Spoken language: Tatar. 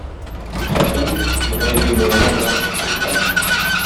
Хатын, бодай җирләренә бераз чүп чыккан.